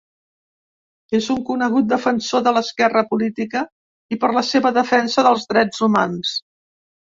És un conegut defensor de l'esquerra política i per la seva defensa dels drets humans.